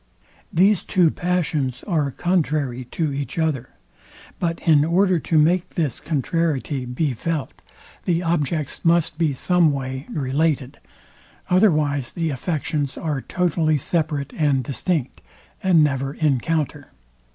These two passions are contrary to each other; but in order to make this contrariety be felt, the objects must be someway related; otherwise the affections are totally separate and distinct, and never encounter.